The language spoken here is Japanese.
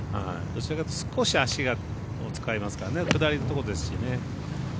どちらかというと少し足を使いますからね下りのところですしね。